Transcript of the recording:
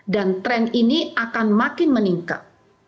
dan tren ini akan makin meningkat